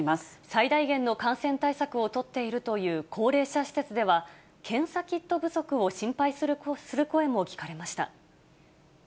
最大限の感染対策を取っているという高齢者施設では、検査キット不足を心配する声も聞かれました。